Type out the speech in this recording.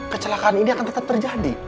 kecelakaan ini akan tetap terjadi